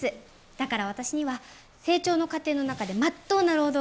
だから私には成長の過程の中でまっとうな労働が必要なんです。